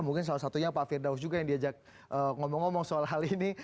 mungkin salah satunya pak firdaus juga yang diajak ngomong ngomong soal hal ini